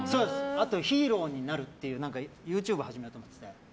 あと、ヒーローになるっていうＹｏｕＴｕｂｅを始めようと思っていて。